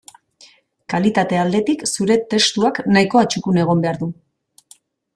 Kalitate aldetik, zure testua nahikoa txukun egon behar du.